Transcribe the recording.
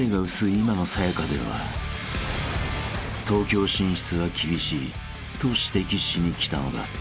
今のさや香では東京進出は厳しいと指摘しに来たのだ］